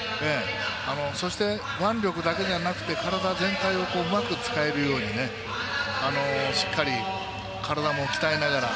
そして、腕力だけじゃなくて体全体をうまく使えるようにねしっかり体も鍛えながら。